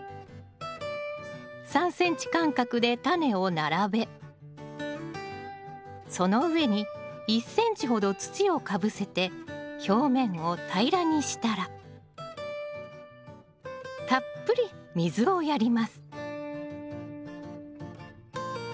３ｃｍ間隔でタネを並べその上に１ｃｍほど土をかぶせて表面を平らにしたらたっぷり水をやります